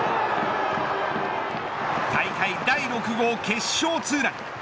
大会第６号決勝ツーラン。